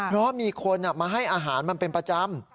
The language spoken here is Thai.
เพราะมีคนมาให้อาหารมันเป็นประจำ